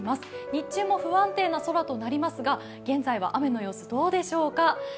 日中も不安定な空となりますが、現在は雨の様子どうでしょうか？